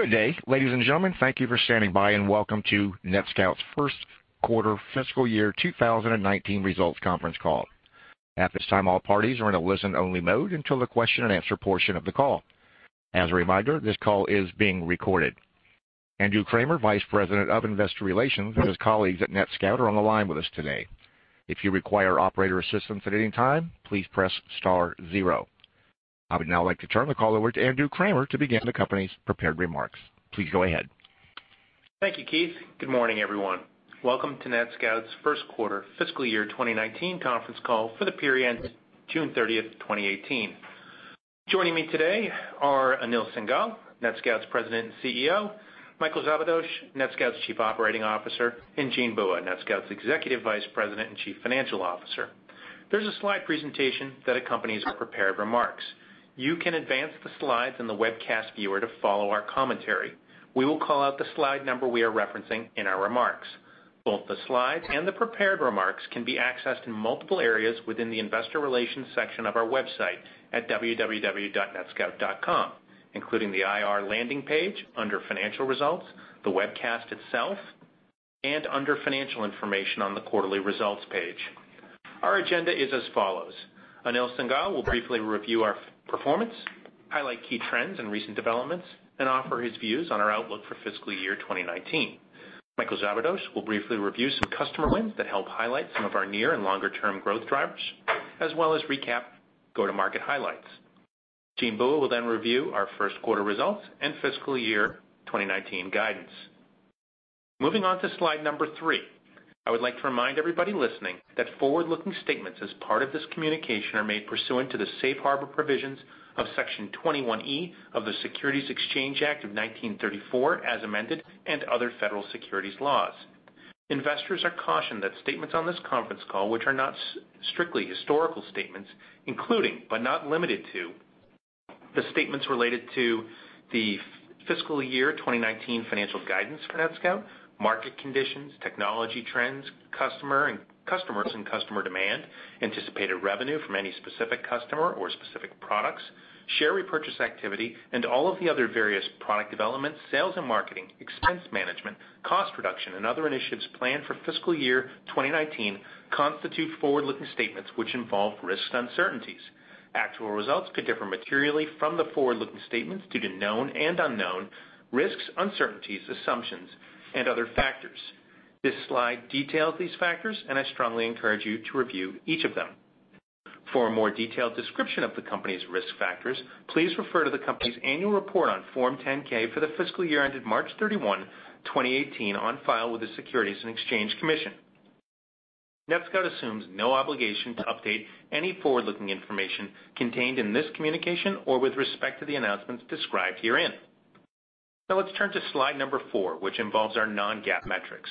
Good day, ladies and gentlemen. Thank you for standing by, and welcome to NetScout's first quarter fiscal year 2019 results conference call. At this time, all parties are in a listen-only mode until the question and answer portion of the call. As a reminder, this call is being recorded. Andrew Kramer, Vice President of Investor Relations, and his colleagues at NetScout are on the line with us today. If you require operator assistance at any time, please press star zero. I would now like to turn the call over to Andrew Kramer to begin the company's prepared remarks. Please go ahead. Thank you, Keith. Good morning, everyone. Welcome to NetScout's first quarter fiscal year 2019 conference call for the period June 30th, 2018. Joining me today are Anil Singhal, NetScout's President and CEO; Michael Szabados, NetScout's Chief Operating Officer; and Jean Bua, NetScout's Executive Vice President and Chief Financial Officer. There's a slide presentation that accompanies our prepared remarks. You can advance the slides in the webcast viewer to follow our commentary. We will call out the slide number we are referencing in our remarks. Both the slides and the prepared remarks can be accessed in multiple areas within the investor relations section of our website at www.netscout.com, including the IR landing page under financial results, the webcast itself, and under financial information on the quarterly results page. Our agenda is as follows: Anil Singhal will briefly review our performance, highlight key trends and recent developments, and offer his views on our outlook for fiscal year 2019. Michael Szabados will briefly review some customer wins that help highlight some of our near and longer-term growth drivers, as well as recap go-to-market highlights. Jean Bua will then review our first quarter results and fiscal year 2019 guidance. Moving on to slide number three, I would like to remind everybody listening that forward-looking statements as part of this communication are made pursuant to the safe harbor provisions of Section 21E of the Securities Exchange Act of 1934, as amended, and other federal securities laws. Investors are cautioned that statements on this conference call, which are not strictly historical statements, including, but not limited to, the statements related to the fiscal year 2019 financial guidance for NetScout, market conditions, technology trends, customers, and customer demand, anticipated revenue from any specific customer or specific products, share repurchase activity, and all of the other various product developments, sales and marketing, expense management, cost reduction, and other initiatives planned for fiscal year 2019, constitute forward-looking statements which involve risks and uncertainties. Actual results could differ materially from the forward-looking statements due to known and unknown risks, uncertainties, assumptions, and other factors. This slide details these factors, and I strongly encourage you to review each of them. For a more detailed description of the company's risk factors, please refer to the company's annual report on Form 10-K for the fiscal year ended March 31, 2018, on file with the Securities and Exchange Commission. NetScout assumes no obligation to update any forward-looking information contained in this communication or with respect to the announcements described herein. Now let's turn to slide number four, which involves our non-GAAP metrics.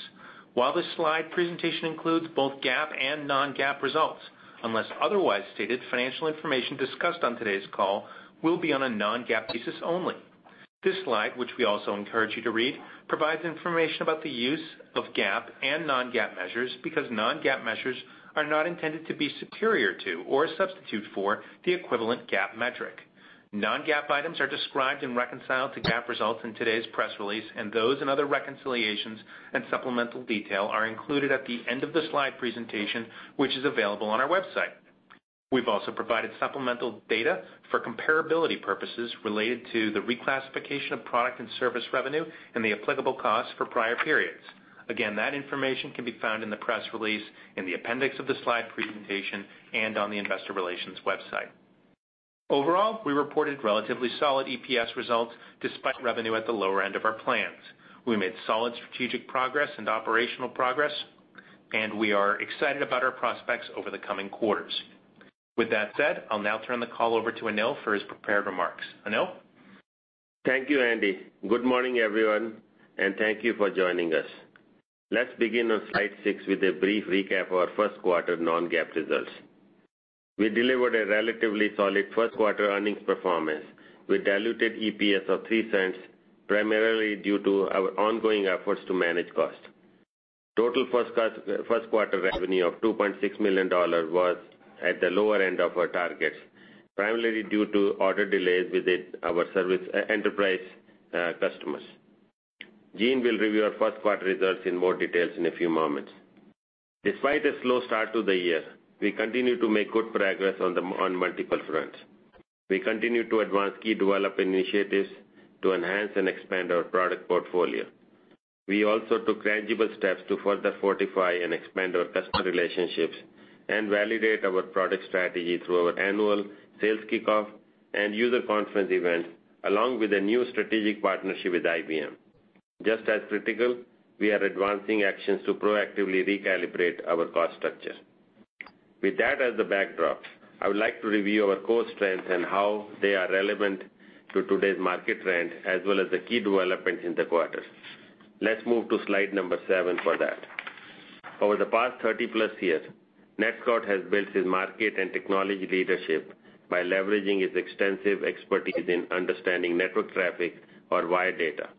While this slide presentation includes both GAAP and non-GAAP results, unless otherwise stated, financial information discussed on today's call will be on a non-GAAP basis only. This slide, which we also encourage you to read, provides information about the use of GAAP and non-GAAP measures because non-GAAP measures are not intended to be superior to or a substitute for the equivalent GAAP metric. Non-GAAP items are described and reconciled to GAAP results in today's press release, those and other reconciliations and supplemental detail are included at the end of the slide presentation, which is available on our website. We've also provided supplemental data for comparability purposes related to the reclassification of product and service revenue and the applicable costs for prior periods. Again, that information can be found in the press release, in the appendix of the slide presentation, and on the investor relations website. Overall, we reported relatively solid EPS results despite revenue at the lower end of our plans. We made solid strategic progress and operational progress, we are excited about our prospects over the coming quarters. With that said, I'll now turn the call over to Anil for his prepared remarks. Anil? Thank you, Andy. Good morning, everyone, thank you for joining us. Let's begin on slide six with a brief recap of our first quarter non-GAAP results. We delivered a relatively solid first-quarter earnings performance with diluted EPS of $0.03, primarily due to our ongoing efforts to manage cost. Total first quarter revenue of $2.6 million was at the lower end of our targets, primarily due to order delays within our service enterprise customers. Jean will review our first quarter results in more details in a few moments. Despite a slow start to the year, we continue to make good progress on multiple fronts. We continue to advance key development initiatives to enhance and expand our product portfolio. We also took tangible steps to further fortify and expand our customer relationships and validate our product strategy through our annual sales kickoff and user conference events, along with a new strategic partnership with IBM. Just as critical, we are advancing actions to proactively recalibrate our cost structure. With that as the backdrop, I would like to review our core strengths and how they are relevant to today's market trend as well as the key developments in the quarter. Let's move to slide number seven for that. Over the past 30-plus years, NetScout has built its market and technology leadership by leveraging its extensive expertise in understanding network traffic or wire data.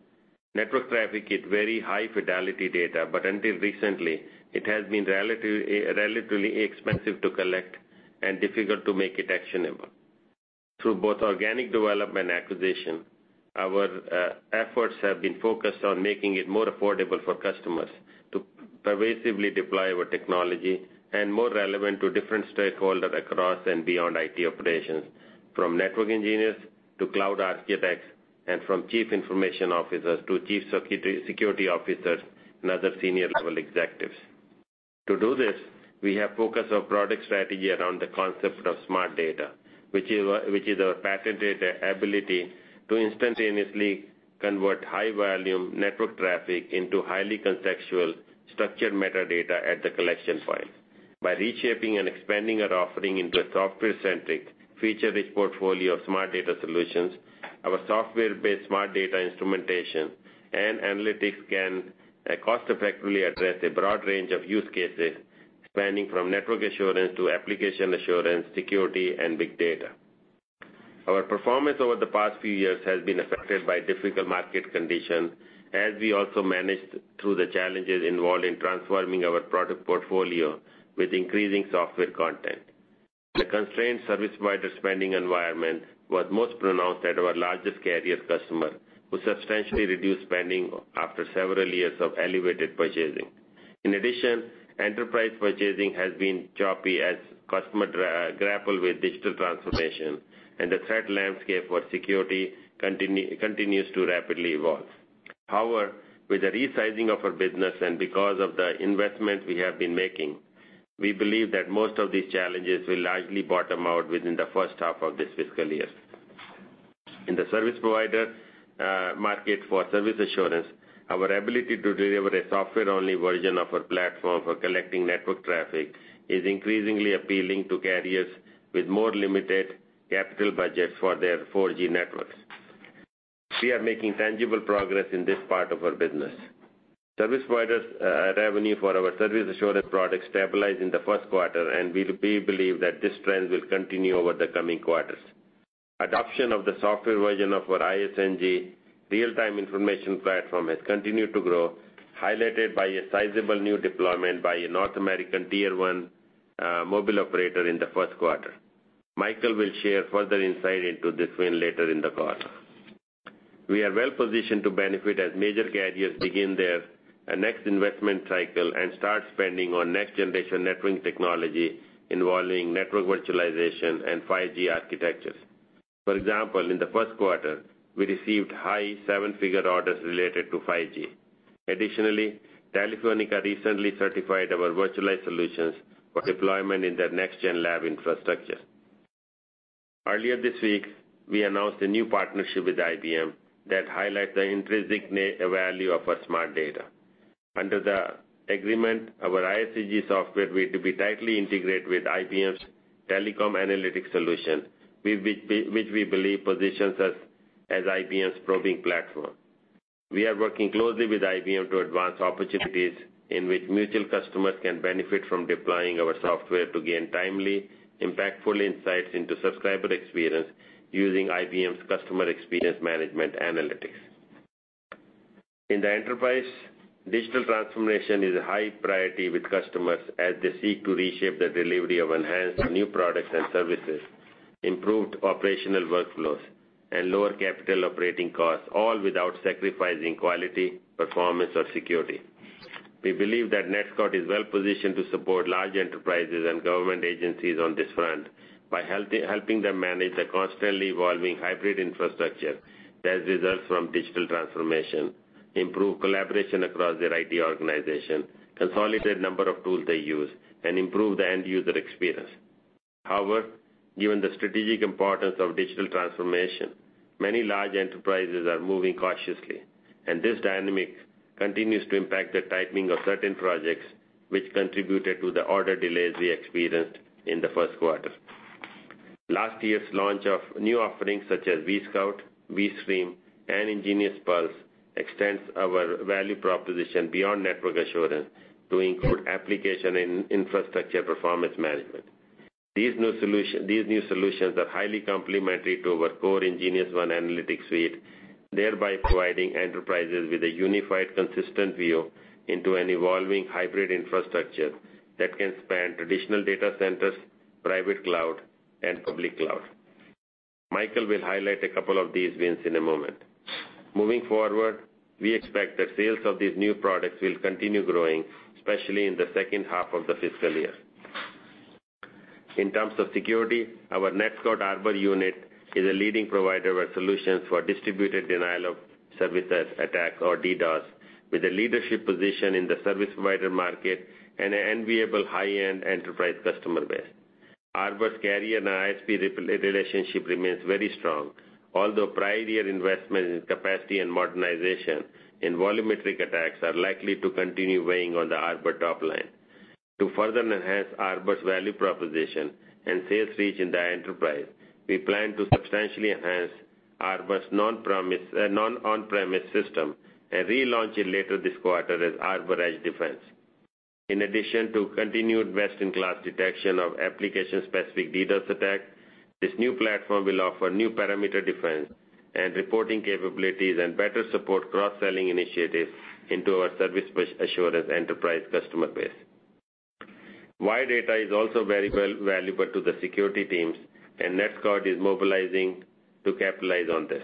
Network traffic is very high fidelity data, until recently, it has been relatively expensive to collect and difficult to make it actionable. Through both organic development acquisition, our efforts have been focused on making it more affordable for customers to pervasively deploy our technology and more relevant to different stakeholders across and beyond IT operations, from network engineers to cloud architects, and from Chief Information Officers to Chief Security Officers and other senior-level executives. To do this, we have focused our product strategy around the concept of smart data, which is our patented ability to instantaneously convert high volume network traffic into highly contextual, structured metadata at the collection point. By reshaping and expanding our offering into a software-centric, feature-rich portfolio of smart data solutions, our software-based smart data instrumentation and analytics can cost-effectively address a broad range of use cases, spanning from network assurance to application assurance, security, and big data. Our performance over the past few years has been affected by difficult market conditions, as we also managed through the challenges involved in transforming our product portfolio with increasing software content. The constrained service provider spending environment was most pronounced at our largest carrier customer, who substantially reduced spending after several years of elevated purchasing. In addition, enterprise purchasing has been choppy as customers grapple with digital transformation and the threat landscape for security continues to rapidly evolve. However, with the resizing of our business and because of the investment we have been making, we believe that most of these challenges will largely bottom out within the first half of this fiscal year. In the service provider market for service assurance, our ability to deliver a software-only version of our platform for collecting network traffic is increasingly appealing to carriers with more limited capital budgets for their 4G networks. We are making tangible progress in this part of our business. Service providers revenue for our service assurance products stabilized in the first quarter, and we believe that this trend will continue over the coming quarters. Adoption of the software version of our ISNG real-time information platform has continued to grow, highlighted by a sizable new deployment by a North American tier 1 mobile operator in the first quarter. Michael will share further insight into this win later in the quarter. We are well positioned to benefit as major carriers begin their next investment cycle and start spending on next-generation networking technology involving network virtualization and 5G architectures. For example, in the first quarter, we received high seven-figure orders related to 5G. Additionally, Telefónica recently certified our virtualized solutions for deployment in their next-gen lab infrastructure. Earlier this week, we announced a new partnership with IBM that highlights the intrinsic net value of our smart data. Under the agreement, our ISNG software will be tightly integrated with IBM's telecom analytics solution, which we believe positions us as IBM's probing platform. We are working closely with IBM to advance opportunities in which mutual customers can benefit from deploying our software to gain timely, impactful insights into subscriber experience using IBM's Customer Experience Management analytics. In the enterprise, digital transformation is a high priority with customers as they seek to reshape the delivery of enhanced new products and services, improved operational workflows, and lower capital operating costs, all without sacrificing quality, performance or security. We believe that NetScout is well positioned to support large enterprises and government agencies on this front by helping them manage the constantly evolving hybrid infrastructure that results from digital transformation, improve collaboration across their IT organization, consolidate the number of tools they use, and improve the end user experience. Given the strategic importance of digital transformation, many large enterprises are moving cautiously, this dynamic continues to impact the timing of certain projects, which contributed to the order delays we experienced in the first quarter. Last year's launch of new offerings such as vSCOUT, vSTREAM, and nGeniusPULSE extends our value proposition beyond network assurance to include application and infrastructure performance management. These new solutions are highly complementary to our core nGeniusONE analytics suite, thereby providing enterprises with a unified, consistent view into an evolving hybrid infrastructure that can span traditional data centers, private cloud, and public cloud. Michael will highlight a couple of these wins in a moment. Moving forward, we expect that sales of these new products will continue growing, especially in the second half of the fiscal year. In terms of security, our NetScout Arbor unit is a leading provider of solutions for distributed denial of services attack or DDoS, with a leadership position in the service provider market and an enviable high-end enterprise customer base. Arbor's carrier and ISP relationship remains very strong, although prior year investment in capacity and modernization in volumetric attacks are likely to continue weighing on the Arbor top line. To further enhance Arbor's value proposition and sales reach in the enterprise, we plan to substantially enhance Arbor's non-on-premise system and relaunch it later this quarter as Arbor Edge Defense. In addition to continued best-in-class detection of application-specific DDoS attack, this new platform will offer new perimeter defense and reporting capabilities and better support cross-selling initiatives into our service assurance enterprise customer base. Wire data is also very valuable to the security teams, NetScout is mobilizing to capitalize on this.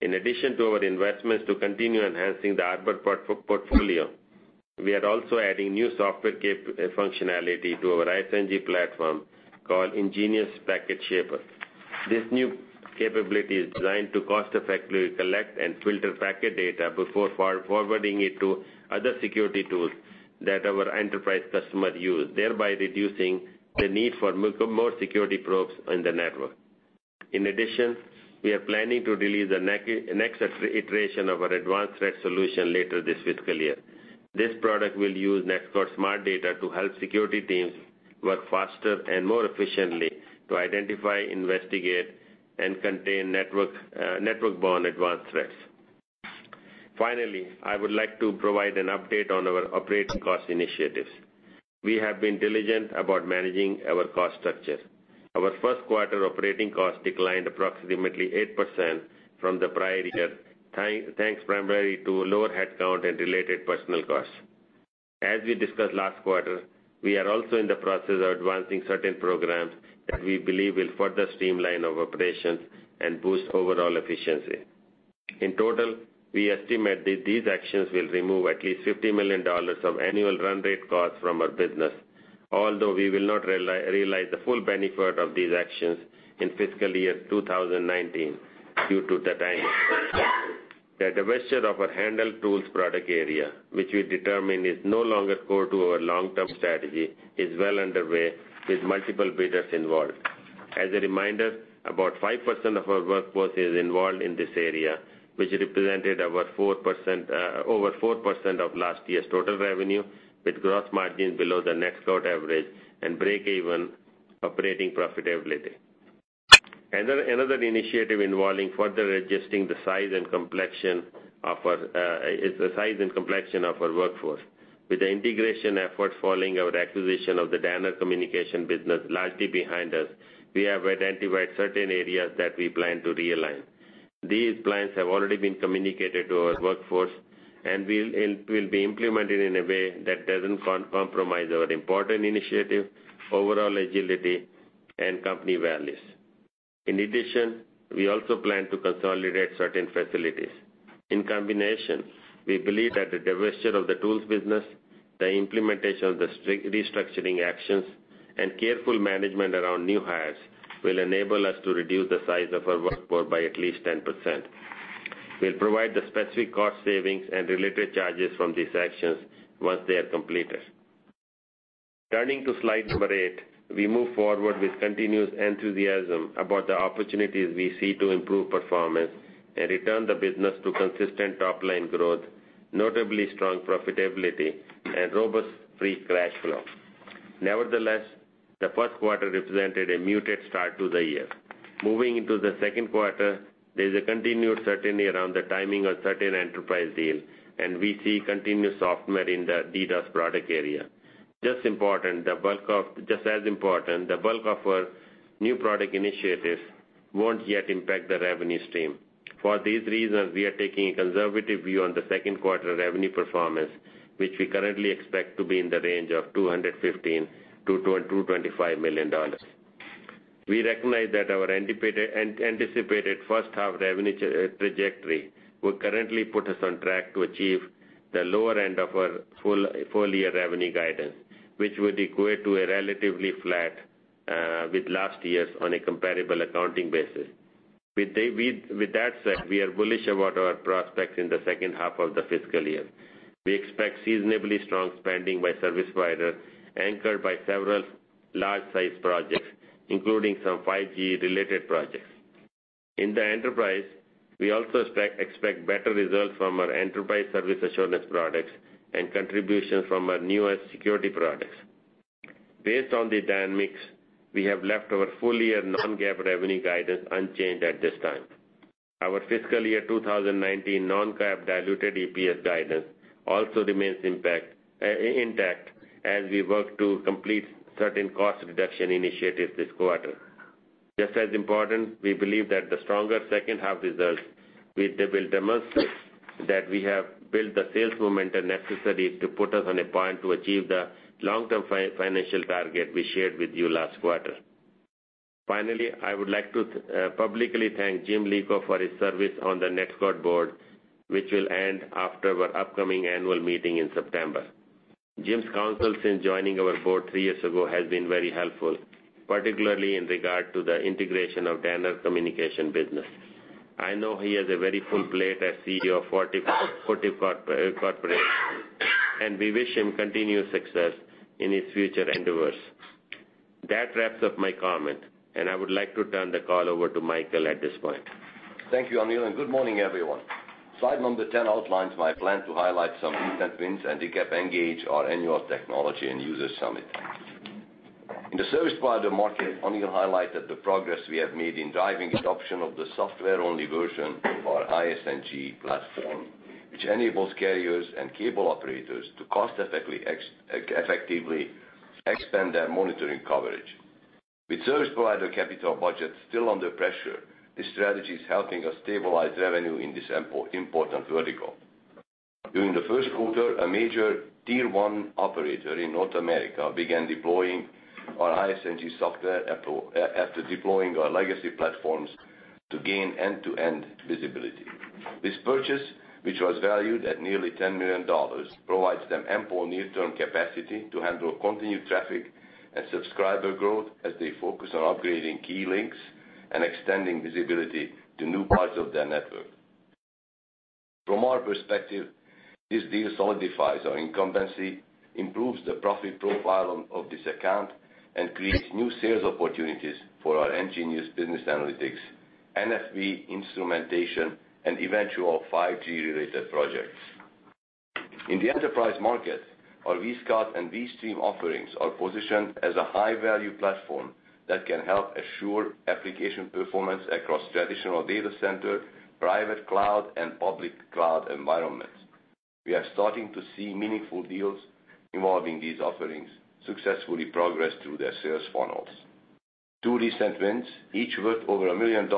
In addition to our investments to continue enhancing the Arbor portfolio, we are also adding new software capability functionality to our ISNG platform called nGenius Packet Flow Switch. This new capability is designed to cost-effectively collect and filter packet data before forwarding it to other security tools that our enterprise customers use, thereby reducing the need for more security probes in the network. We are planning to release the next iteration of our advanced threat solution later this fiscal year. This product will use NetScout smart data to help security teams work faster and more efficiently to identify, investigate, and contain network-borne advanced threats. I would like to provide an update on our operating cost initiatives. We have been diligent about managing our cost structure. Our first quarter operating cost declined approximately 8% from the prior year, thanks primarily to lower headcount and related personnel costs. As we discussed last quarter, we are also in the process of advancing certain programs that we believe will further streamline our operations and boost overall efficiency. In total, we estimate that these actions will remove at least $50 million of annual run rate cost from our business. Although we will not realize the full benefit of these actions in fiscal year 2019 due to the timing. The divesture of our handheld tools product area, which we determine is no longer core to our long-term strategy, is well underway with multiple bidders involved. As a reminder, about 5% of our workforce is involved in this area, which represented over 4% of last year's total revenue, with gross margins below the NetScout average and break-even operating profitability. Another initiative involving further adjusting the size and complexion of our workforce. With the integration effort following our acquisition of the Danaher Corporation's Communications business largely behind us, we have identified certain areas that we plan to realign. These plans have already been communicated to our workforce and will be implemented in a way that doesn't compromise our important initiative, overall agility, and company values. In addition, we also plan to consolidate certain facilities. In combination, we believe that the divesture of the tools business, the implementation of the restructuring actions, and careful management around new hires will enable us to reduce the size of our workforce by at least 10%. We'll provide the specific cost savings and related charges from these actions once they are completed. Turning to slide number eight, we move forward with continuous enthusiasm about the opportunities we see to improve performance and return the business to consistent top-line growth, notably strong profitability, and robust free cash flow. Nevertheless, the first quarter represented a muted start to the year. Moving into the second quarter, there's a continued uncertainty around the timing of certain enterprise deals, and we see continued softness in the DDoS product area. Just as important, the bulk of our new product initiatives won't yet impact the revenue stream. For these reasons, we are taking a conservative view on the second quarter revenue performance, which we currently expect to be in the range of $215 million-$225 million. We recognize that our anticipated first half revenue trajectory will currently put us on track to achieve the lower end of our full year revenue guidance, which would equate to a relatively flat with last year's on a comparable accounting basis. With that said, we are bullish about our prospects in the second half of the fiscal year. We expect seasonably strong spending by service providers, anchored by several large-size projects, including some 5G-related projects. In the enterprise, we also expect better results from our enterprise service assurance products and contributions from our newest security products. Based on the dynamics, we have left our full-year non-GAAP revenue guidance unchanged at this time. Our fiscal year 2019 non-GAAP diluted EPS guidance also remains intact as we work to complete certain cost reduction initiatives this quarter. Just as important, we believe that the stronger second half results will demonstrate that we have built the sales momentum necessary to put us on a path to achieve the long-term financial target we shared with you last quarter. Finally, I would like to publicly thank James Lico for his service on the NetScout board, which will end after our upcoming annual meeting in September. James's counsel since joining our board three years ago has been very helpful, particularly in regard to the integration of Danaher Corporation's Communications business. I know he has a very full plate as CEO of Fortive Corporation, and we wish him continued success in his future endeavors. That wraps up my comment, and I would like to turn the call over to Michael at this point. Thank you, Anil, and good morning, everyone. Slide number 10 outlines my plan to highlight some recent wins and recap ENGAGE, our annual technology and user summit. In the service provider market, Anil highlighted the progress we have made in driving adoption of the software-only version of our ISNG platform, which enables carriers and cable operators to cost-effectively expand their monitoring coverage. With service provider capital budgets still under pressure, this strategy is helping us stabilize revenue in this important vertical. During the first quarter, a major tier 1 operator in North America began deploying our ISNG software after deploying our legacy platforms to gain end-to-end visibility. This purchase, which was valued at nearly $10 million, provides them ample near-term capacity to handle continued traffic and subscriber growth as they focus on upgrading key links and extending visibility to new parts of their network. From our perspective, this deal solidifies our incumbency, improves the profit profile of this account, and creates new sales opportunities for our nGenius business analytics, NFV instrumentation, and eventual 5G-related projects. In the enterprise market, our vSCOUT and vSTREAM offerings are positioned as a high-value platform that can help assure application performance across traditional data center, private cloud, and public cloud environments. We are starting to see meaningful deals involving these offerings successfully progress through their sales funnels. Two recent wins, each worth over $1 million,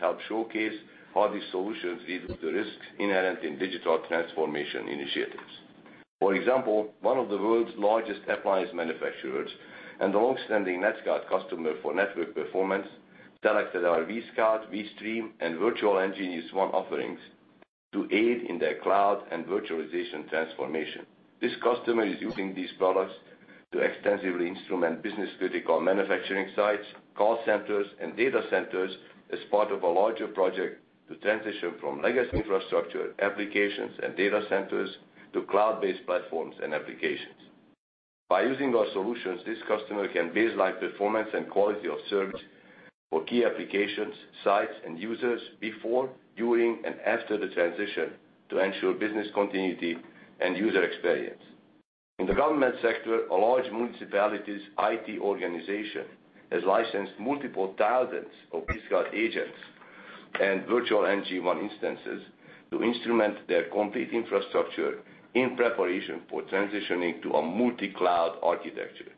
help showcase how these solutions reduce the risks inherent in digital transformation initiatives. For example, one of the world's largest appliance manufacturers and long-standing NetScout customer for network performance selected our vSCOUT, vSTREAM, and virtual nGeniusONE offerings to aid in their cloud and virtualization transformation. This customer is using these products to extensively instrument business-critical manufacturing sites, call centers, and data centers as part of a larger project to transition from legacy infrastructure, applications, and data centers to cloud-based platforms and applications. By using our solutions, this customer can baseline performance and quality of service for key applications, sites, and users before, during, and after the transition to ensure business continuity and user experience. In the government sector, a large municipality's IT organization has licensed multiple thousands of vSCOUT agents and virtual nGen ONE instances to instrument their complete infrastructure in preparation for transitioning to a multi-cloud architecture.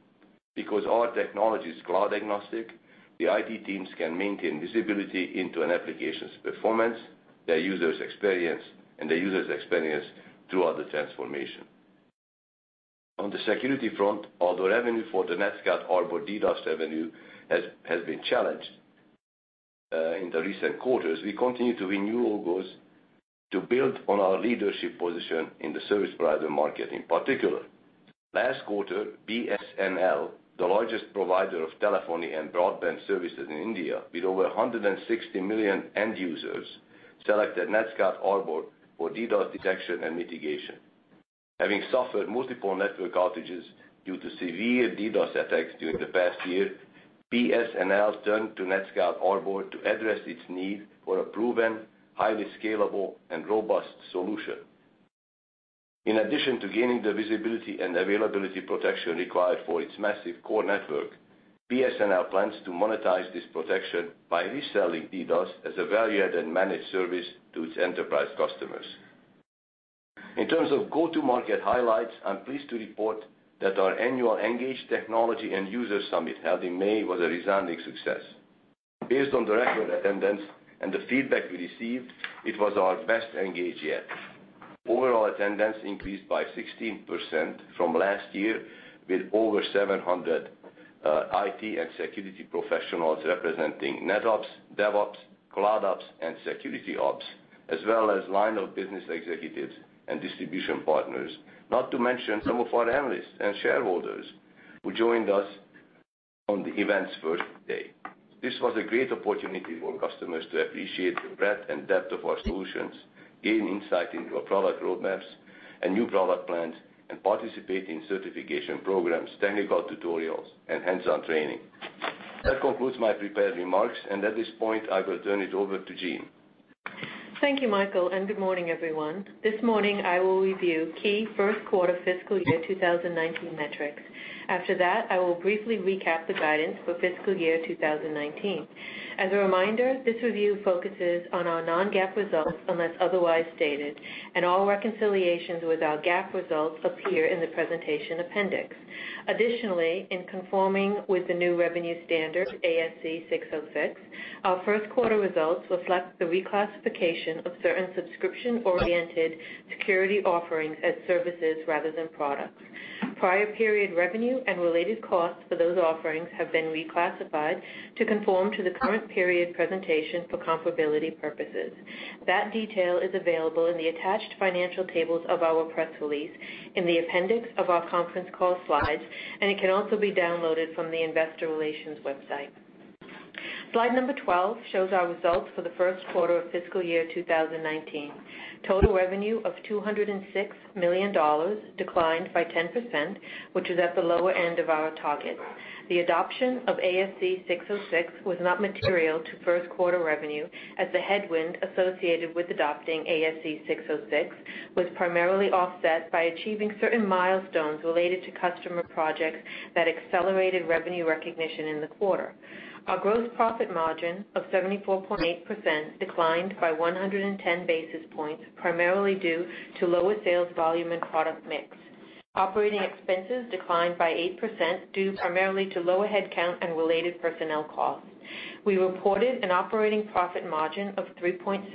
Because our technology is cloud agnostic, the IT teams can maintain visibility into an application's performance, their user's experience, and the user's experience throughout the transformation. On the security front, although revenue for the NetScout Arbor DDoS revenue has been challenged in the recent quarters, we continue to renew our goals to build on our leadership position in the service provider market in particular. Last quarter, BSNL, the largest provider of telephony and broadband services in India, with over 160 million end users, selected NetScout Arbor for DDoS detection and mitigation. Having suffered multiple network outages due to severe DDoS attacks during the past year, BSNL turned to NetScout Arbor to address its need for a proven, highly scalable, and robust solution. In addition to gaining the visibility and availability protection required for its massive core network, BSNL plans to monetize this protection by reselling DDoS as a value-added managed service to its enterprise customers. In terms of go-to-market highlights, I'm pleased to report that our annual ENGAGE technology and user summit held in May was a resounding success. Based on the record attendance and the feedback we received, it was our best ENGAGE yet. Overall attendance increased by 16% from last year, with over 700 IT and security professionals representing NetOps, DevOps, CloudOps, and SecOps, as well as line of business executives and distribution partners. Not to mention some of our analysts and shareholders who joined us on the event's first day. This was a great opportunity for customers to appreciate the breadth and depth of our solutions, gain insight into our product roadmaps and new product plans, and participate in certification programs, technical tutorials, and hands-on training. That concludes my prepared remarks, and at this point, I will turn it over to Jean. Thank you, Michael, and good morning, everyone. This morning, I will review key first-quarter fiscal year 2019 metrics. After that, I will briefly recap the guidance for fiscal year 2019. As a reminder, this review focuses on our non-GAAP results unless otherwise stated, and all reconciliations with our GAAP results appear in the presentation appendix. Additionally, in conforming with the new revenue standard, ASC 606, our first quarter results reflect the reclassification of certain subscription-oriented security offerings as services rather than products. Prior period revenue and related costs for those offerings have been reclassified to conform to the current period presentation for comparability purposes. That detail is available in the attached financial tables of our press release, in the appendix of our conference call slides, and it can also be downloaded from the investor relations website. Slide number 12 shows our results for the first quarter of fiscal year 2019. Total revenue of $206 million, declined by 10%, which was at the lower end of our target. The adoption of ASC 606 was not material to first quarter revenue, as the headwind associated with adopting ASC 606 was primarily offset by achieving certain milestones related to customer projects that accelerated revenue recognition in the quarter. Our gross profit margin of 74.8% declined by 110 basis points, primarily due to lower sales volume and product mix. Operating expenses declined by 8%, due primarily to lower headcount and related personnel costs. We reported an operating profit margin of 3.6%.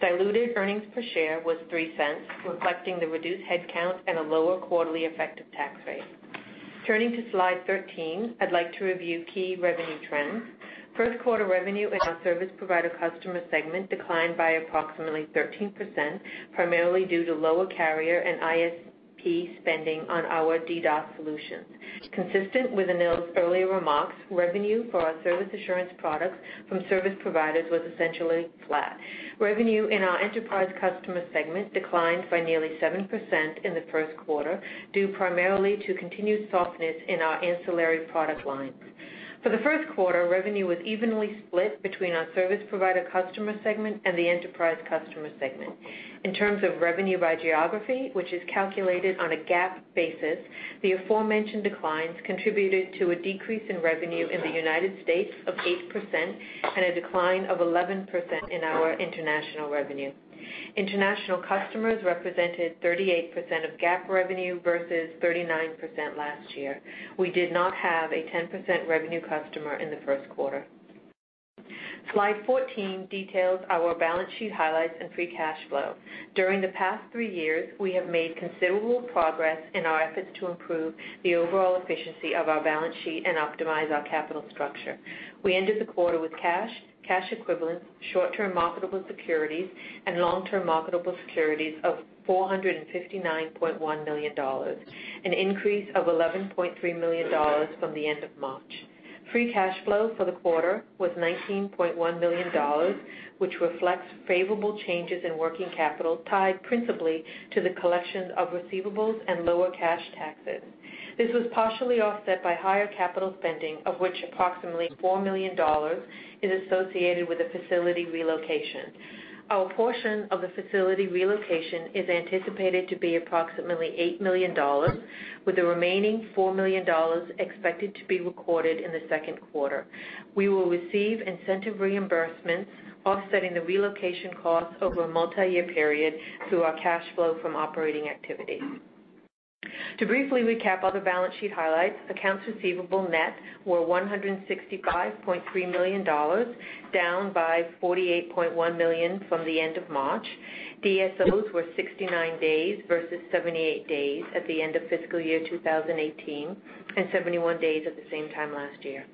Diluted earnings per share was $0.03, reflecting the reduced headcount and a lower quarterly effective tax rate. Turning to Slide 13, I'd like to review key revenue trends. First quarter revenue in our service provider customer segment declined by approximately 13%, primarily due to lower carrier and ISP spending on our DDoS solutions. Consistent with Anil's earlier remarks, revenue for our service assurance products from service providers was essentially flat. Revenue in our enterprise customer segment declined by nearly 7% in the first quarter, due primarily to continued softness in our ancillary product lines. For the first quarter, revenue was evenly split between our service provider customer segment and the enterprise customer segment. In terms of revenue by geography, which is calculated on a GAAP basis, the aforementioned declines contributed to a decrease in revenue in the U.S. of 8% and a decline of 11% in our international revenue. International customers represented 38% of GAAP revenue versus 39% last year. We did not have a 10% revenue customer in the first quarter. Slide 14 details our balance sheet highlights and free cash flow. During the past three years, we have made considerable progress in our efforts to improve the overall efficiency of our balance sheet and optimize our capital structure. We ended the quarter with cash equivalents, short-term marketable securities, and long-term marketable securities of $459.1 million, an increase of $11.3 million from the end of March. Free cash flow for the quarter was $19.1 million, which reflects favorable changes in working capital tied principally to the collection of receivables and lower cash taxes. This was partially offset by higher capital spending, of which approximately $4 million is associated with the facility relocation. Our portion of the facility relocation is anticipated to be approximately $8 million, with the remaining $4 million expected to be recorded in the second quarter. We will receive incentive reimbursements offsetting the relocation costs over a multi-year period through our cash flow from operating activities. To briefly recap other balance sheet highlights, accounts receivable net were $165.3 million, down by $48.1 million from the end of March. DSOs were 69 days versus 78 days at the end of fiscal year 2018 and 71 days at the same time last year.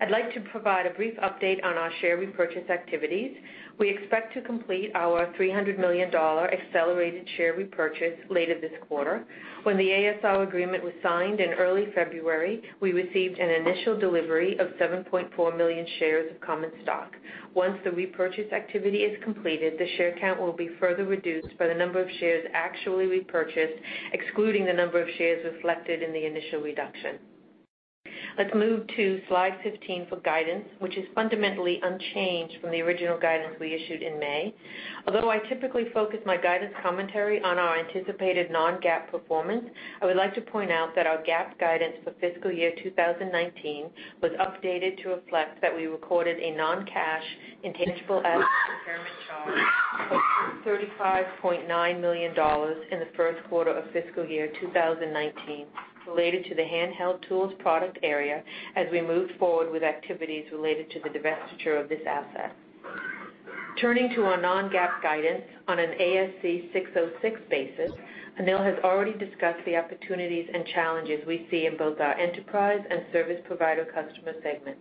I'd like to provide a brief update on our share repurchase activities. We expect to complete our $300 million accelerated share repurchase later this quarter. When the ASR agreement was signed in early February, we received an initial delivery of 7.4 million shares of common stock. Once the repurchase activity is completed, the share count will be further reduced by the number of shares actually repurchased, excluding the number of shares reflected in the initial reduction. Let's move to Slide 15 for guidance, which is fundamentally unchanged from the original guidance we issued in May. Although I typically focus my guidance commentary on our anticipated non-GAAP performance, I would like to point out that our GAAP guidance for fiscal year 2019 was updated to reflect that we recorded a non-cash intangible asset impairment charge of $35.9 million in the first quarter of fiscal year 2019 related to the handheld tools product area as we moved forward with activities related to the divestiture of this asset. Turning to our non-GAAP guidance on an ASC 606 basis, Anil has already discussed the opportunities and challenges we see in both our enterprise and service provider customer segments.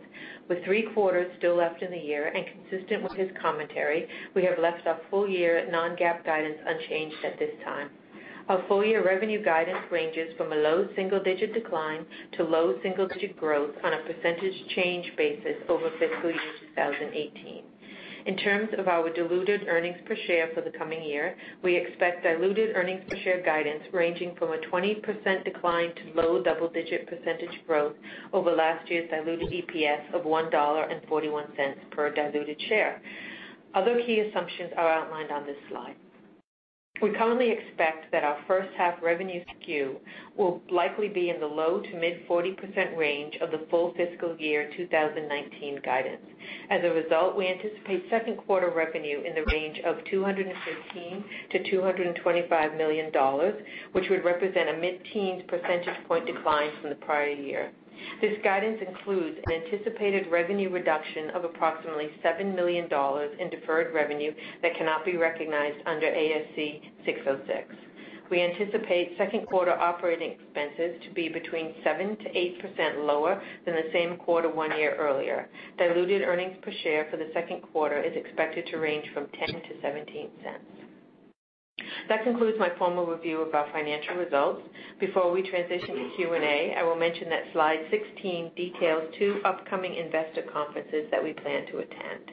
With three quarters still left in the year, and consistent with his commentary, we have left our full year non-GAAP guidance unchanged at this time. Our full year revenue guidance ranges from a low single-digit decline to low single-digit growth on a percentage change basis over fiscal year 2018. In terms of our diluted earnings per share for the coming year, we expect diluted earnings per share guidance ranging from a 20% decline to low double-digit percentage growth over last year's diluted EPS of $1.41 per diluted share. Other key assumptions are outlined on this slide. We currently expect that our first half revenue skew will likely be in the low to mid 40% range of the full fiscal year 2019 guidance. As a result, we anticipate second quarter revenue in the range of $213 million-$225 million, which would represent a mid-teens percentage point decline from the prior year. This guidance includes an anticipated revenue reduction of approximately $7 million in deferred revenue that cannot be recognized under ASC 606. We anticipate second quarter operating expenses to be between 7%-8% lower than the same quarter one year earlier. Diluted earnings per share for the second quarter is expected to range from $0.10-$0.17. That concludes my formal review of our financial results. Before we transition to Q&A, I will mention that Slide 16 details two upcoming investor conferences that we plan to attend.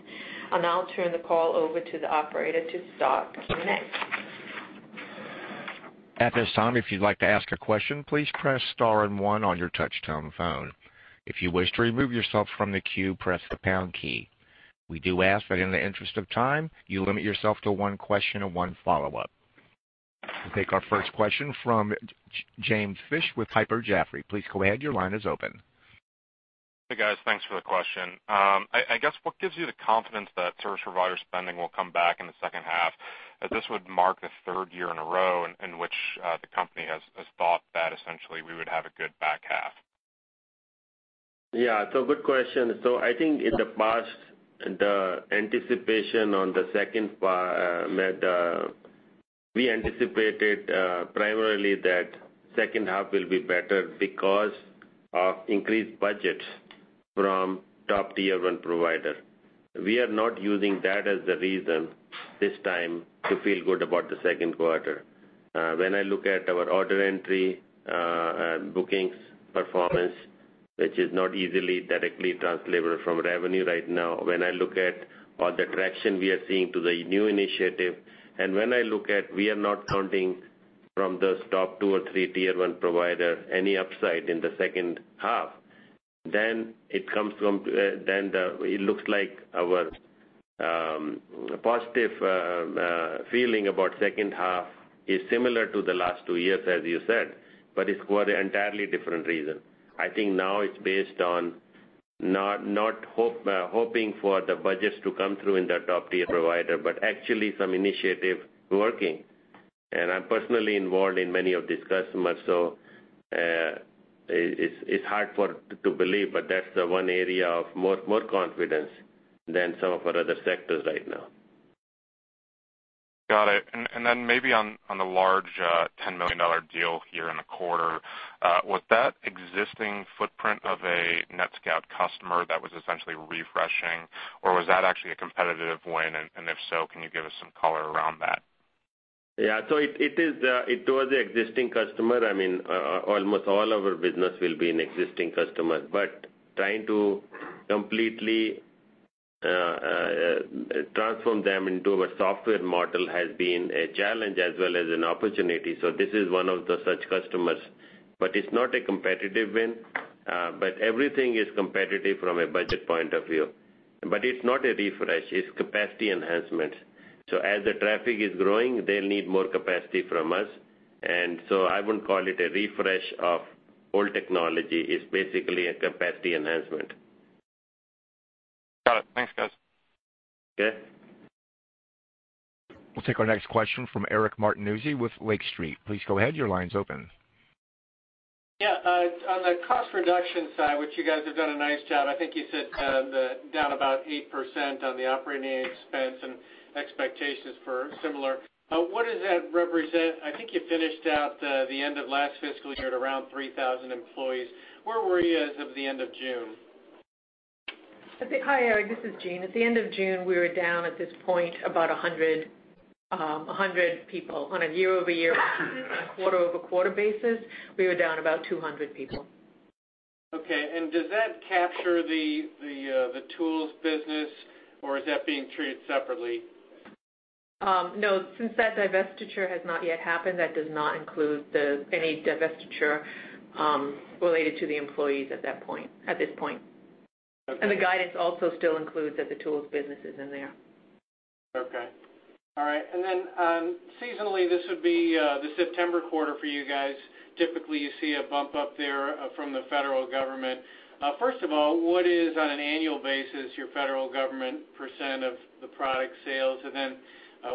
I'll now turn the call over to the operator to start Q&A. At this time, if you'd like to ask a question, please press star and one on your touch-tone phone. If you wish to remove yourself from the queue, press the pound key. We do ask that in the interest of time, you limit yourself to one question and one follow-up. We'll take our first question from James Fish with Piper Jaffray. Please go ahead. Your line is open. Hey, guys. Thanks for the question. I guess, what gives you the confidence that service provider spending will come back in the second half, as this would mark the third year in a row in which the company has thought that essentially we would have a good back half? It's a good question. I think in the past, the anticipation on the second part, we anticipated primarily that second half will be better because of increased budgets from top tier 1 provider. We are not using that as the reason this time to feel good about the second quarter. When I look at our order entry, bookings, performance, which is not easily directly translatable from revenue right now, when I look at all the traction we are seeing to the new initiative, when I look at, we are not counting from those top two or three tier 1 provider any upside in the second half, it looks like our positive feeling about second half is similar to the last two years, as you said, but it's for an entirely different reason. I think now it's based on not hoping for the budgets to come through in the top tier provider, but actually some initiative working. I'm personally involved in many of these customers, it's hard to believe, but that's the one area of more confidence than some of our other sectors right now. Got it. Maybe on the large, $10 million deal here in the quarter, was that existing footprint of a NetScout customer that was essentially refreshing, or was that actually a competitive win? If so, can you give us some color around that? It was an existing customer. Almost all our business will be an existing customer. Trying to completely transform them into a software model has been a challenge as well as an opportunity. This is one of the such customers. It's not a competitive win. Everything is competitive from a budget point of view. It's not a refresh, it's capacity enhancement. As the traffic is growing, they'll need more capacity from us. I wouldn't call it a refresh of old technology. It's basically a capacity enhancement. Got it. Thanks, guys. Okay. We'll take our next question from Eric Martinuzzi with Lake Street. Please go ahead, your line's open. Yeah. On the cost reduction side, which you guys have done a nice job, I think you said down about 8% on the operating expense and expectations for similar. What does that represent? I think you finished out the end of last fiscal year at around 3,000 employees. Where were you as of the end of June? Hi, Eric. This is Jean. At the end of June, we were down, at this point, about 100 people. On a year-over-year and a quarter-over-quarter basis, we were down about 200 people. Okay. Does that capture the tools business, or is that being treated separately? No. Since that divestiture has not yet happened, that does not include any divestiture related to the employees at this point. Okay. The guidance also still includes that the tools business is in there. Okay. All right. Seasonally, this would be the September quarter for you guys. Typically, you see a bump up there from the federal government. First of all, what is, on an annual basis, your federal government % of the product sales?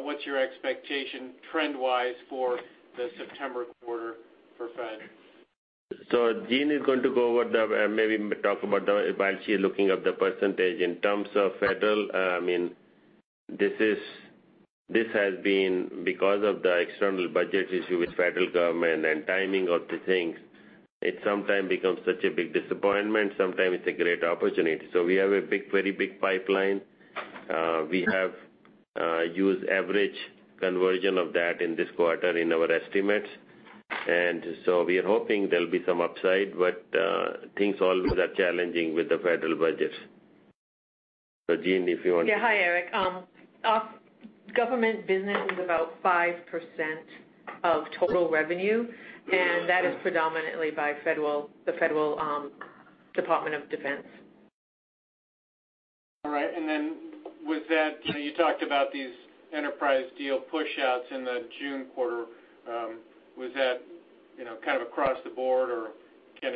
What's your expectation trend-wise for the September quarter for fed? Jean is going to go over that, maybe talk about the, while she is looking up the %. In terms of federal, this has been because of the external budget issue with federal government and timing of the things. It sometimes becomes such a big disappointment, sometimes it's a great opportunity. We have a very big pipeline. We have used average conversion of that in this quarter in our estimates. We are hoping there'll be some upside, but things always are challenging with the federal budget. Jean, if you want to- Yeah. Hi, Eric. Our government business is about 5% of total revenue, that is predominantly by the federal Department of Defense. All right. You talked about these enterprise deal pushouts in the June quarter. Was that, kind of across the board, or can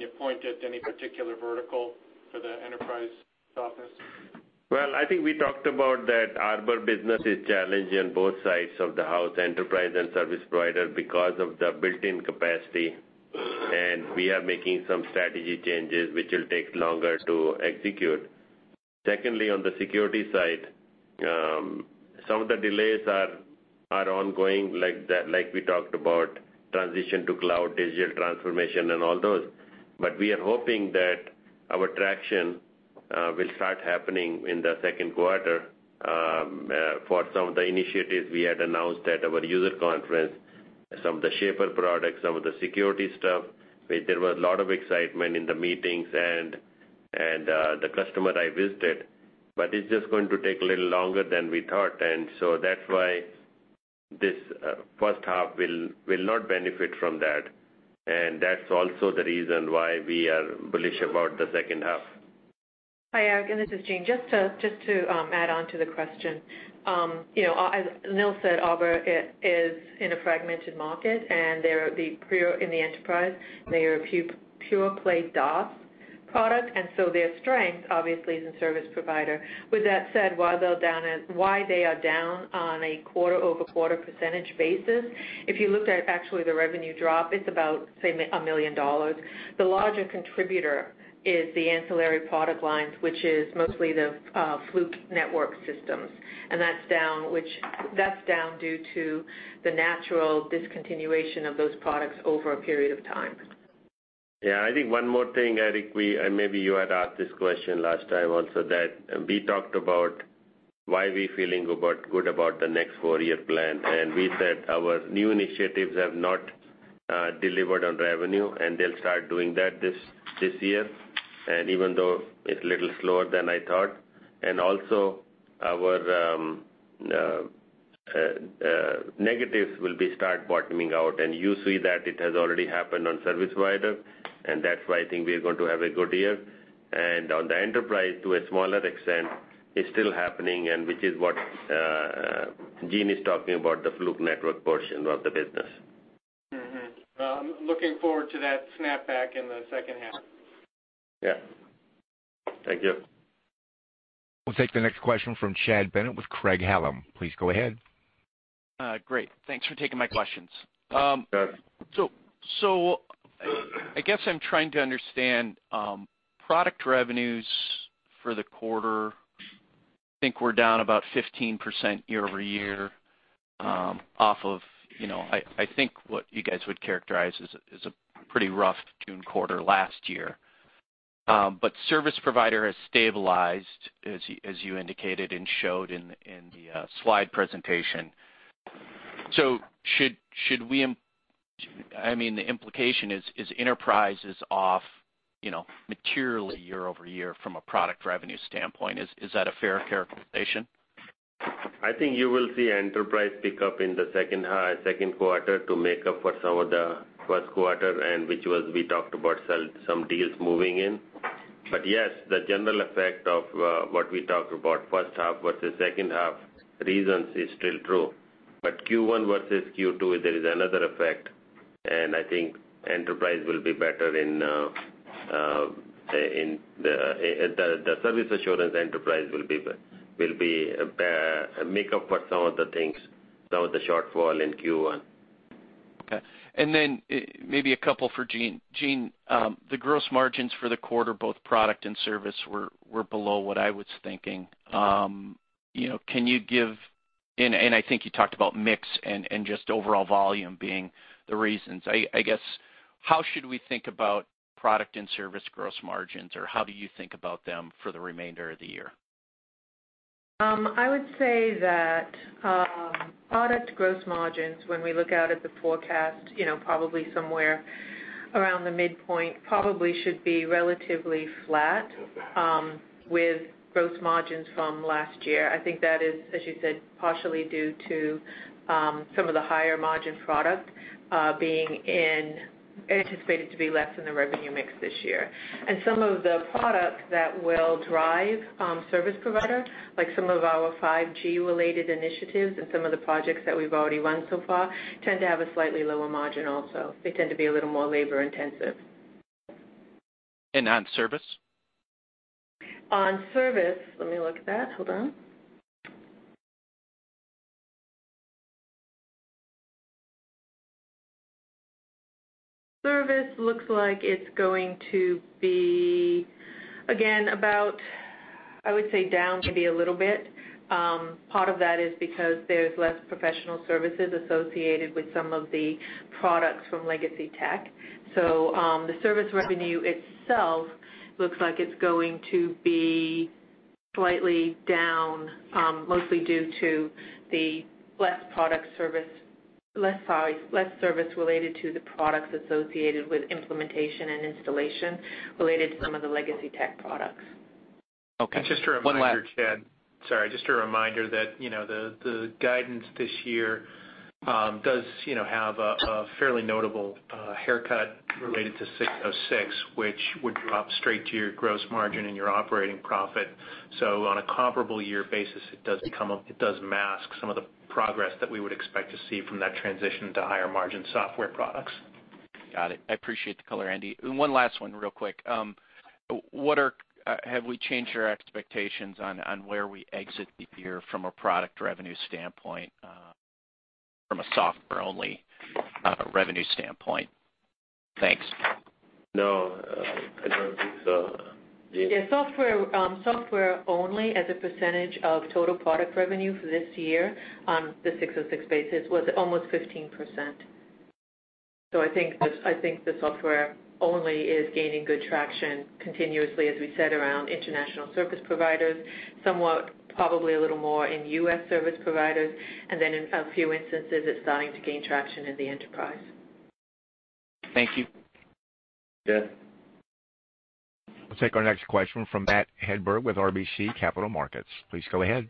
you point at any particular vertical for the enterprise office? Well, I think we talked about that Arbor business is challenged on both sides of the house, enterprise and service provider, because of the built-in capacity. We are making some strategy changes which will take longer to execute. Secondly, on the security side, some of the delays are ongoing, like we talked about, transition to cloud, digital transformation, and all those. We are hoping that our traction will start happening in the second quarter for some of the initiatives we had announced at our user conference, some of the Shaper products, some of the security stuff. There was a lot of excitement in the meetings and the customer I visited. It's just going to take a little longer than we thought, that's why this first half will not benefit from that. That's also the reason why we are bullish about the second half. Hi, Eric. This is Jean. Just to add on to the question. As Anil said, Arbor is in a fragmented market. They're the pure in the enterprise. They are a pure play DDoS product. Their strength, obviously, is in service provider. With that said, why they are down on a quarter-over-quarter percentage basis, if you looked at actually the revenue drop, it's about, say, $1 million. The larger contributor is the ancillary product lines, which is mostly the Fluke Networks systems. That's down due to the natural discontinuation of those products over a period of time. I think one more thing, Eric, maybe you had asked this question last time also that we talked about why we feeling good about the next four-year plan. We said our new initiatives have not delivered on revenue. They'll start doing that this year. Even though it's a little slower than I thought, also our negatives will be start bottoming out. You see that it has already happened on service provider. That's why I think we're going to have a good year. On the enterprise, to a smaller extent, is still happening which is what Jean is talking about, the Fluke Networks portion of the business. Looking forward to that snap back in the second half. Thank you. We'll take the next question from Chad Bennett with Craig-Hallum. Please go ahead. Great. Thanks for taking my questions. Chad. I guess I'm trying to understand product revenues for the quarter. Think we're down about 15% year-over-year, off of, I think what you guys would characterize as a pretty rough June quarter last year. Service provider has stabilized, as you indicated and showed in the slide presentation. The implication is enterprise is off materially year-over-year from a product revenue standpoint. Is that a fair characterization? I think you will see enterprise pick up in the second quarter to make up for some of the first quarter, and which was, we talked about some deals moving in. Yes, the general effect of what we talked about first half versus second half reasons is still true. Q1 versus Q2, there is another effect, and I think enterprise will be better the service assurance enterprise will make up for some of the things, some of the shortfall in Q1. Okay. Then maybe a couple for Jean. Jean, the gross margins for the quarter, both product and service, were below what I was thinking. I think you talked about mix and just overall volume being the reasons. I guess, how should we think about product and service gross margins, or how do you think about them for the remainder of the year? I would say that product gross margins, when we look out at the forecast, probably somewhere around the midpoint, probably should be relatively flat, with gross margins from last year. I think that is, as you said, partially due to some of the higher margin product being anticipated to be less in the revenue mix this year. Some of the products that will drive service provider, like some of our 5G related initiatives and some of the projects that we've already won so far, tend to have a slightly lower margin also. They tend to be a little more labor intensive. On service? On service, let me look at that. Hold on. Service looks like it's going to be, again, about, I would say down maybe a little bit. Part of that is because there's less professional services associated with some of the products from Legacy Tech. The service revenue itself looks like it's going to be slightly down, mostly due to the less service related to the products associated with implementation and installation related to some of the Legacy Tech products. Okay. One last- Just a reminder, Chad. Sorry, just a reminder that the guidance this year does have a fairly notable haircut related to ASC 606, which would drop straight to your gross margin and your operating profit. On a comparable year basis, it does mask some of the progress that we would expect to see from that transition to higher margin software products. Got it. I appreciate the color, Andy. One last one real quick. Have we changed our expectations on where we exit the year from a product revenue standpoint, from a software only revenue standpoint? Thanks. No, I don't think so. Jean? Yeah. Software only as a percentage of total product revenue for this year on the 606 basis was almost 15%. I think the software only is gaining good traction continuously, as we said, around international service providers, somewhat probably a little more in U.S. service providers. In a few instances, it's starting to gain traction in the enterprise. Thank you. Yes. We'll take our next question from Matthew Hedberg with RBC Capital Markets. Please go ahead.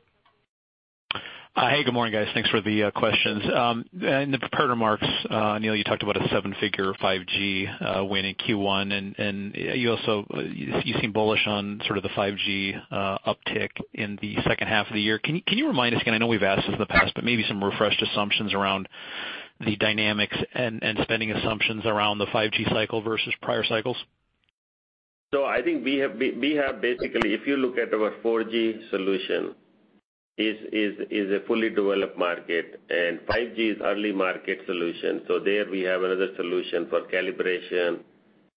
Hey, good morning, guys. Thanks for the questions. In the prepared remarks, Anil, you talked about a seven-figure 5G win in Q1. You seem bullish on the 5G uptick in the second half of the year. Can you remind us again, I know we've asked this in the past, but maybe some refreshed assumptions around the dynamics and spending assumptions around the 5G cycle versus prior cycles? I think we have basically, if you look at our 4G solution, is a fully developed market, and 5G is early market solution. There we have another solution for calibration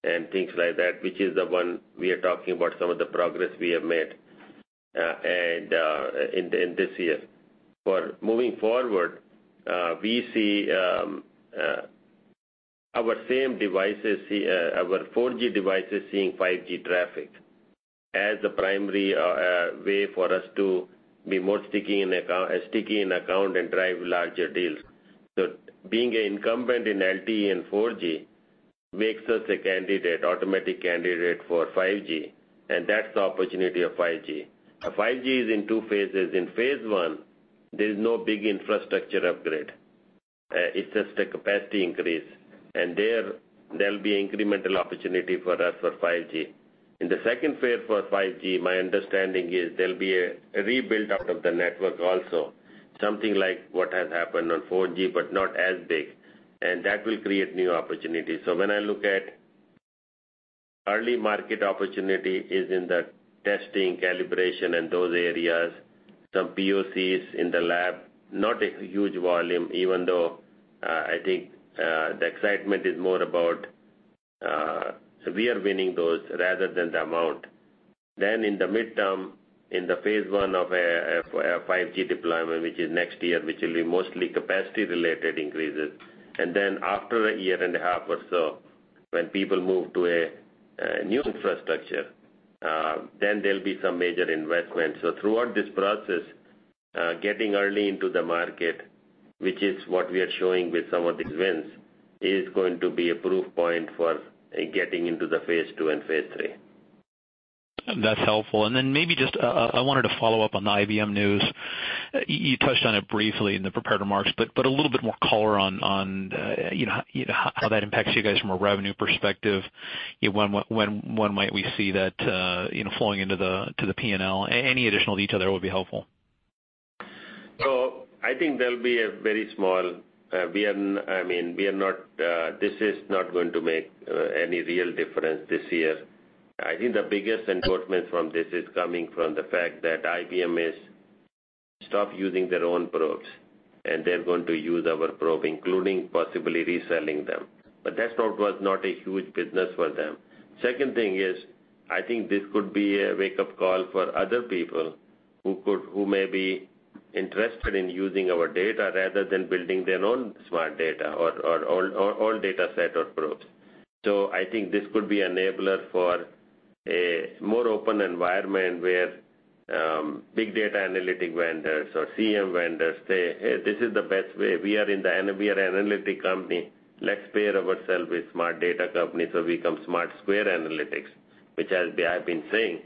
and things like that, which is the one we are talking about some of the progress we have made in this year. For moving forward, we see our 4G devices seeing 5G traffic as the primary way for us to be more sticky in account and drive larger deals. Being an incumbent in LTE and 4G makes us a candidate, automatic candidate for 5G, and that's the opportunity of 5G. 5G is in two phases. In phase 1, there's no big infrastructure upgrade. It's just a capacity increase. There, there'll be incremental opportunity for us for 5G. In the phase 2 for 5G, my understanding is there'll be a rebuild out of the network also. Something like what has happened on 4G, but not as big. That will create new opportunities. When I look at early market opportunity is in the testing, calibration, and those areas. Some POCs in the lab, not a huge volume, even though I think the excitement is more about, we are winning those rather than the amount. In the midterm, in the phase 1 of a 5G deployment, which is next year, which will be mostly capacity related increases. After a year and a half or so, when people move to a new infrastructure, then there'll be some major investments. Throughout this process, getting early into the market, which is what we are showing with some of these wins, is going to be a proof point for getting into the phase 2 and phase 3. That's helpful. Maybe just, I wanted to follow up on the IBM news. You touched on it briefly in the prepared remarks, a little bit more color on how that impacts you guys from a revenue perspective. When might we see that flowing into the P&L? Any additional detail there will be helpful. This is not going to make any real difference this year. I think the biggest endorsement from this is coming from the fact that IBM has stopped using their own probes, and they're going to use our probe, including possibly reselling them. That was not a huge business for them. Second thing is, I think this could be a wake-up call for other people who may be interested in using our data rather than building their own smart data or data set or probes. I think this could be enabler for a more open environment where big data analytic vendors or CEM vendors say, "Hey, this is the best way." We are an analytic company. Let's pair ourselves with smart data company, we become smart squared analytics," which as I've been saying.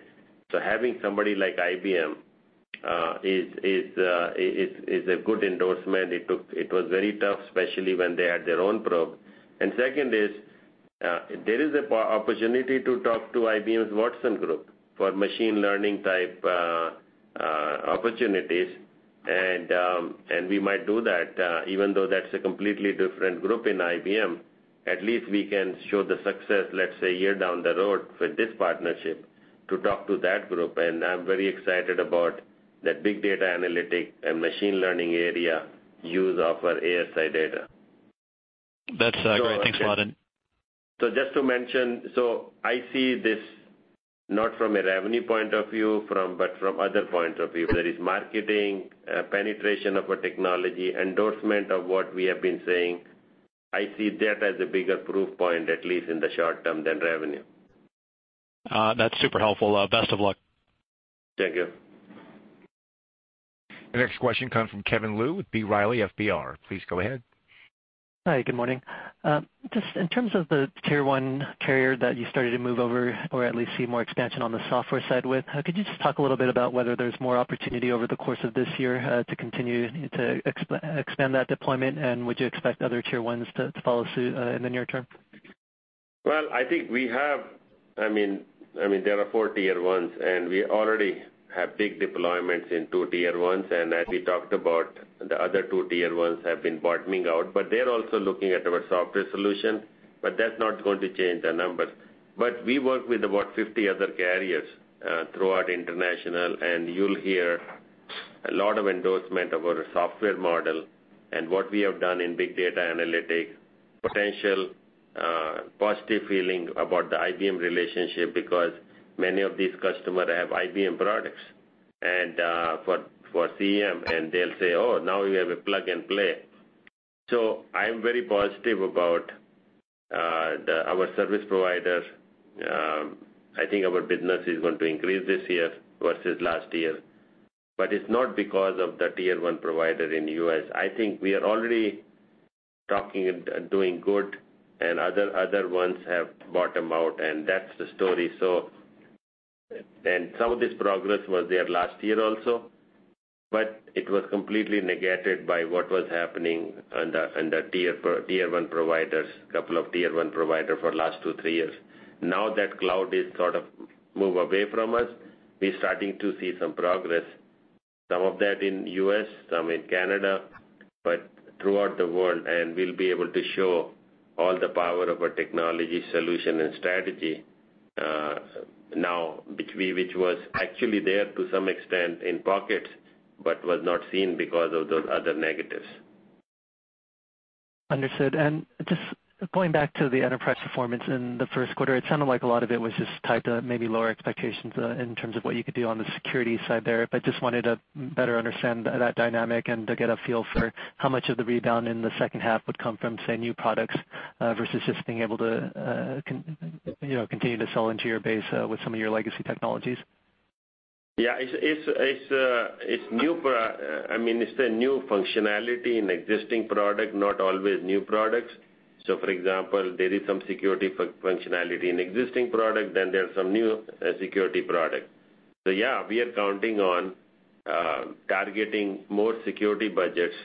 Having somebody like IBM is a good endorsement. It was very tough, especially when they had their own probe. Second is, there is an opportunity to talk to IBM's Watson Group for machine learning type opportunities. We might do that, even though that's a completely different group in IBM. At least we can show the success, let's say, a year down the road for this partnership to talk to that group. I'm very excited about that big data analytic and machine learning area use of our ASI data. That's great. Thanks a lot. Just to mention, I see this not from a revenue point of view, but from other points of view. That is marketing, penetration of a technology, endorsement of what we have been saying. I see that as a bigger proof point, at least in the short term, than revenue. That's super helpful. Best of luck. Thank you. The next question comes from Kevin Liu with B. Riley FBR. Please go ahead. Hi, good morning. Just in terms of the Tier 1 carrier that you started to move over or at least see more expansion on the software side with, could you just talk a little bit about whether there's more opportunity over the course of this year to continue to expand that deployment? Would you expect other Tier 1s to follow suit in the near term? Well, I think we have. There are four Tier 1s, and we already have big deployments in two Tier 1s. As we talked about, the other two Tier 1s have been bottoming out, but they're also looking at our software solution, but that's not going to change the numbers. We work with about 50 other carriers throughout international, and you'll hear a lot of endorsement of our software model and what we have done in big data analytics, potential positive feeling about the IBM relationship because many of these customers have IBM products and for CEM, and they'll say, "Oh, now we have a plug and play." I'm very positive about our service provider. I think our business is going to increase this year versus last year, but it's not because of the Tier 1 provider in the U.S. I think we are already talking and doing good and other ones have bottomed out, and that's the story. Some of this progress was there last year also, but it was completely negated by what was happening under Tier 1 providers, couple of Tier 1 provider for last two, three years. Now that cloud is sort of move away from us, we're starting to see some progress. Some of that in U.S., some in Canada, but throughout the world, and we'll be able to show all the power of our technology solution and strategy, now, which was actually there to some extent in pockets, but was not seen because of those other negatives. Understood. Just going back to the enterprise performance in the first quarter, it sounded like a lot of it was just tied to maybe lower expectations, in terms of what you could do on the security side there. Just wanted to better understand that dynamic and to get a feel for how much of the rebound in the second half would come from, say, new products, versus just being able to continue to sell into your base with some of your legacy technologies. Yeah. It's the new functionality in existing product, not always new products. For example, there is some security functionality in existing product, then there's some new security product. Yeah, we are counting on targeting more security budgets,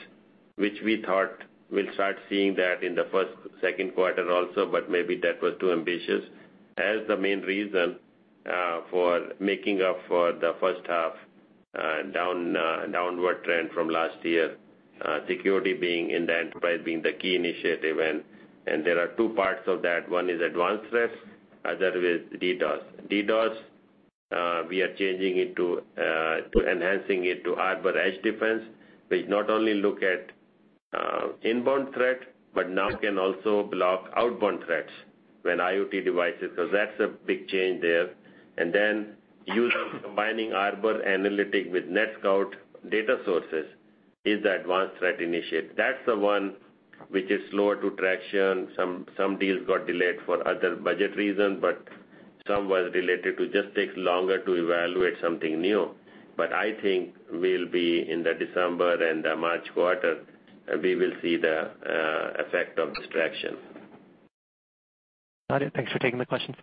which we thought we'll start seeing that in the first, second quarter also, but maybe that was too ambitious, as the main reason for making up for the first half downward trend from last year. Security in the enterprise being the key initiative, and there are two parts of that. One is advanced threats, other is DDoS. DDoS, we are changing it to enhancing it to Arbor Edge Defense, which not only look at inbound threat, but now can also block outbound threats when IoT devices, because that's a big change there. Then using, combining Arbor analytic with NetScout data sources is the advanced threat initiative. That's the one which is slower to traction. Some deals got delayed for other budget reason, but some was related to just takes longer to evaluate something new. I think we'll be in the December and the March quarter, we will see the effect of this traction. Got it. Thanks for taking the question.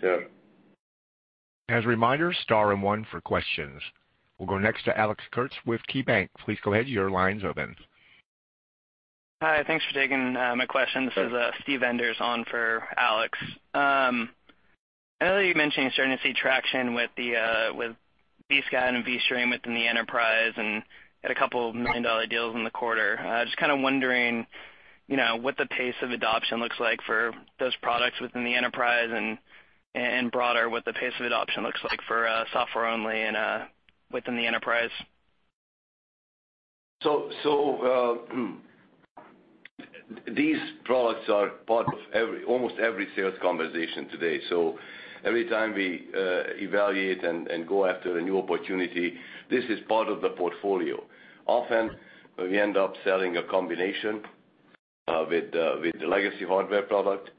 Sure. As a reminder, star and one for questions. We'll go next to Alex Kurtz with KeyBanc. Please go ahead. Your line's open. Hi. Thanks for taking my question. Sure. This is Steve Enders on for Alex. I know that you mentioned you're starting to see traction with vSCOUT and vSTREAM within the enterprise, and had a couple million-dollar deals in the quarter. Just kind of wondering what the pace of adoption looks like for those products within the enterprise and broader, what the pace of adoption looks like for software only and within the enterprise. These products are part of almost every sales conversation today. Every time we evaluate and go after a new opportunity, this is part of the portfolio. Often, we end up selling a combination with the legacy hardware product.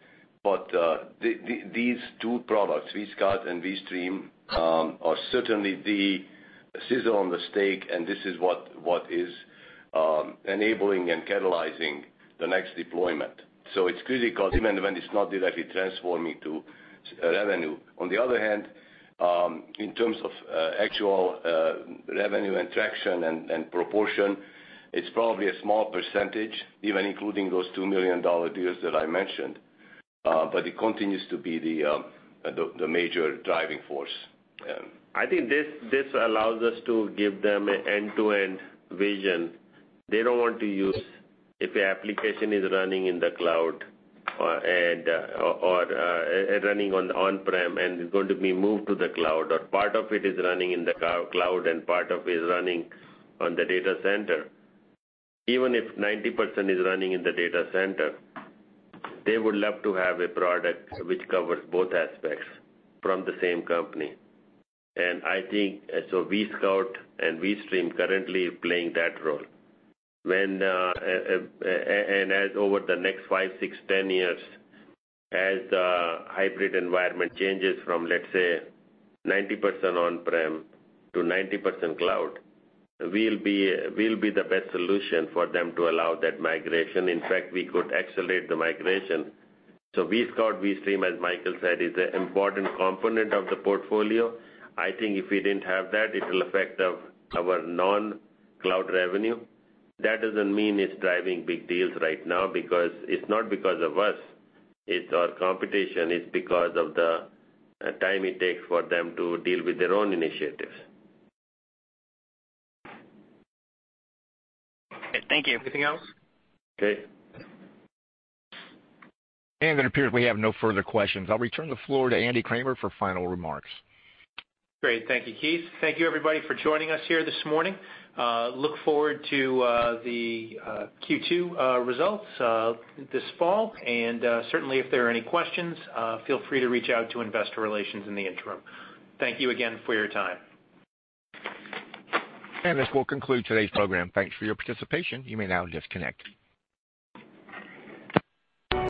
These two products, vSCOUT and vSTREAM, are certainly the sizzle on the steak, and this is what is enabling and catalyzing the next deployment. It's critical even when it's not directly transforming to revenue. On the other hand, in terms of actual revenue and traction and proportion, it's probably a small percentage, even including those $2 million deals that I mentioned. It continues to be the major driving force. I think this allows us to give them end-to-end vision. They don't want to use if an application is running in the cloud or running on the on-prem and it's going to be moved to the cloud, or part of it is running in the cloud and part of it is running on the data center. Even if 90% is running in the data center, they would love to have a product which covers both aspects from the same company. vSCOUT and vSTREAM currently playing that role. As over the next five, six, 10 years, as the hybrid environment changes from, let's say, 90% on-prem to 90% cloud, we'll be the best solution for them to allow that migration. In fact, we could accelerate the migration. vSCOUT, vSTREAM, as Michael said, is an important component of the portfolio. I think if we didn't have that, it will affect our non-cloud revenue. That doesn't mean it's driving big deals right now because it's not because of us, it's our competition. It's because of the time it takes for them to deal with their own initiatives. Thank you. Anything else? Okay. It appears we have no further questions. I'll return the floor to Andy Kramer for final remarks. Great. Thank you, Keith. Thank you everybody for joining us here this morning. Look forward to the Q2 results this fall. Certainly, if there are any questions, feel free to reach out to investor relations in the interim. Thank you again for your time. This will conclude today's program. Thanks for your participation. You may now disconnect.